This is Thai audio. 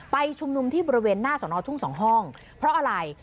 ชุมนุมที่บริเวณหน้าสอนอทุ่งสองห้องเพราะอะไร